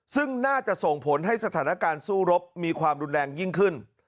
ซึ่งน่าจะส่งผลให้สถานการณ์สู้รบมีความรุนแรงยิ่งขึ้น